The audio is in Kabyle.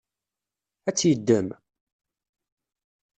Ad tt-yeddem?